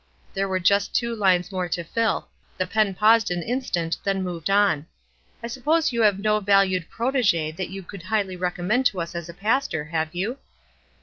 There were just two lines more to fill ; the pen paused an in stant, then moved on. "I suppose you have no valued protege that you could highly recom mend to us as a pastor, have you?"